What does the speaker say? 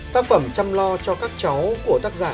tác phẩm chăm lo cho các cháu của tác giả